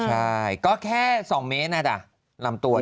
ใช่ก็แค่๒เมตรลำตัว